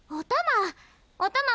おたま！